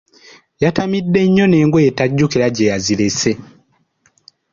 Yatamidde nnyo n’engoye tajjukira gye yazirese.